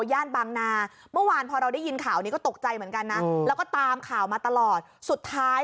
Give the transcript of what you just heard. ย่านบางนาเมื่อวานพอเราได้ยินข่าวนี้ก็ตกใจเหมือนกันนะแล้วก็ตามข่าวมาตลอดสุดท้าย